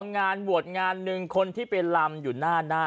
งานบวชงานหนึ่งคนที่ไปลำอยู่หน้าหน้า